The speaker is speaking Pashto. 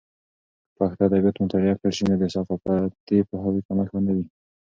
که پښتو ادبیات مطالعه کړل سي، نو د ثقافتي پوهاوي کمښت به نه وي.